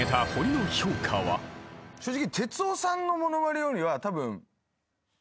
正直。